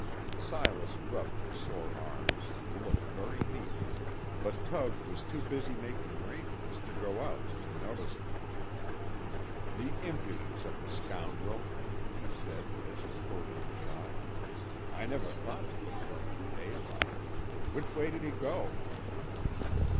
Silas rubbed his sore arms, and looked very meek, but Tug was too busy making arrangements to go out to notice him. "The impudence of the scoundrel," he said, as he poured in the shot. "I never thought to look for him in daylight. Which way did he go?"